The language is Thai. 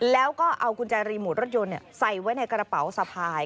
แล้วก็เอากุญแจรีโมทรถยนต์ใส่ไว้ในกระเป๋าสะพาย